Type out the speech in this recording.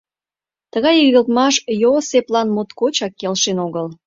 Тыгай игылтмаш Йоосеплан моткочак келшен огыл.